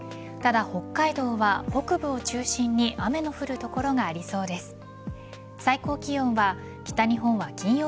ただ北海道は北部を中心に雨の降る所がありそうです。